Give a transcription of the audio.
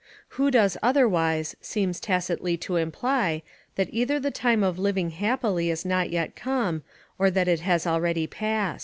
Who does otherwise, seems tacitly to imply, that either the time of living happily is not yet come, or that it is already past.